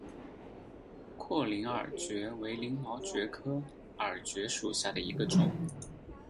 阔鳞耳蕨为鳞毛蕨科耳蕨属下的一个种。